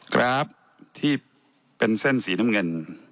กราฟที่เป็นเส้นสีน้ำเงิน